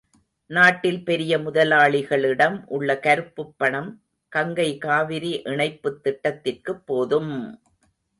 நாட்டில் பெரிய முதலாளிகளிடம் உள்ள கருப்புப் பணம் கங்கை காவிரி இணைப்புத் திட்டத்திற்குப் போதும்!